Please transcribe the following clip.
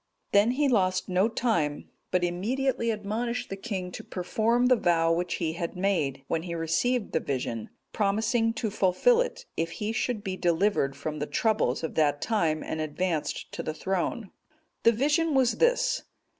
Then he lost no time, but immediately admonished the king to perform the vow which he had made, when he received the vision, promising to fulfil it, if he should be delivered from the troubles of that time, and advanced to the throne. The vision was this.